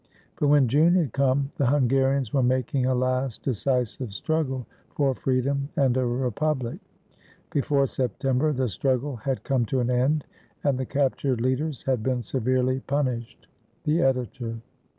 But when June had come, the Hungarians were making a last decisive struggle for free dom and a republic. Before September, the struggle had come to an end, and the captured leaders had been severely punished. The Editor.